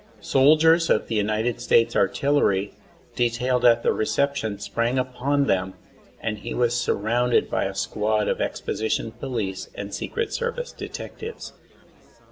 Soldiers of the United States artillery detailed at the reception sprang upon them, and he was surrounded by a squad of'exposition police and secret service detectives.